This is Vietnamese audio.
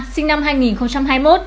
sinh năm hai nghìn hai mươi một